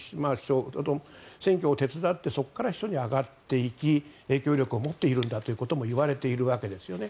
選挙を手伝ってそこから秘書に上がっていき影響力を持っているんだということも言われているわけですよね。